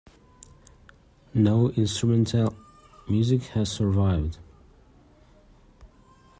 No instrumental music has survived.